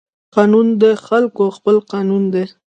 قانون د خلقو خپل قانون دى.